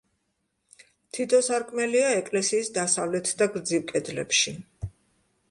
თითო სარკმელია ეკლესიის დასავლეთ და გრძივ კედლებში.